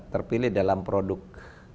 terpilih dalam produk